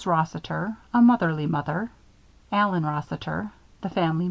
ROSSITER: A Motherly Mother. ALLEN ROSSITER: The Family "Meeter."